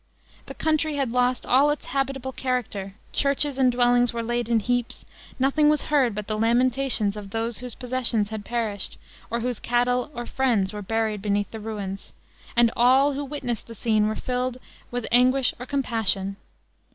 The country had lost all its habitable character; churches and dwellings were laid in heaps; nothing was heard but the lamentations of those whose possessions had perished, or whose cattle or friends were buried beneath the ruins; and all who witnessed the scene were filled with anguish or compassion.